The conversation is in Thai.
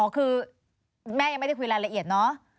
คือแม่ยังไม่ได้คุยรายละเอียดเนอะ